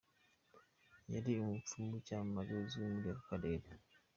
Yari umupfumu w’icyamamare uzwi muri aka karere.